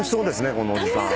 このおじさん。